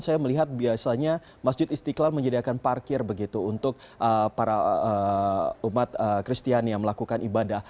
saya melihat biasanya masjid istiqlal menyediakan parkir begitu untuk para umat kristiani yang melakukan ibadah